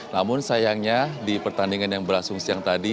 namun sayangnya di pertandingan yang berlangsung siang tadi